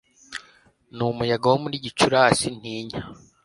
Numuyaga wo muri Gicurasi ntinya